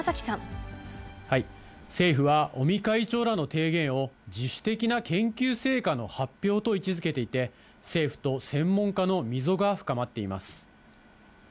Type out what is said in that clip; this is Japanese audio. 政府は尾身会長らの提言を、自主的な研究成果の発表と位置づけていて、政府と専門家の溝が深まっています。